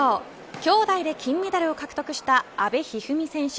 きょうだいで金メダルを獲得した阿部一二三選手